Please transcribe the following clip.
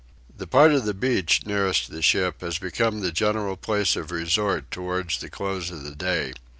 The part of the beach nearest the ship was become the general place of resort towards the close of the day.